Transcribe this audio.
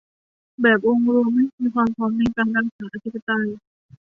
แบบองค์รวมให้มีความพร้อมในการรักษาอธิปไตย